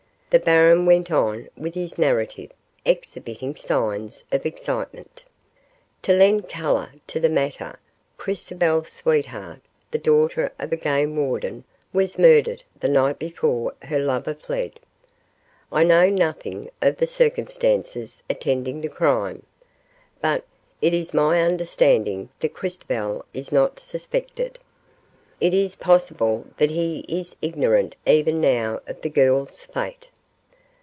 The baron went on with his narrative, exhibiting signs of excitement. "To lend color to the matter, Christobal's sweetheart, the daughter of a game warden, was murdered the night before her lover fled. I know nothing of the circumstances attending the crime, but it is my understanding that Christobal is not suspected. It is possible that he is ignorant even now of the girl's fate."